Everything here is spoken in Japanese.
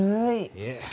いえ。